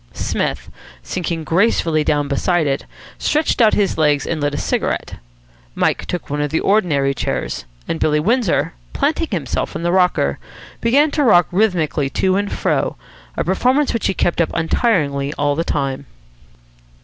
Psmith, sinking gracefully down beside it, stretched out his legs and lit a cigarette. Mike took one of the ordinary chairs; and Billy Windsor, planting himself in the rocker, began to rock rhythmically to and fro, a performance which he kept up untiringly all the time.